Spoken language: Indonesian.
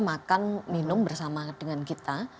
makan minum bersama dengan kita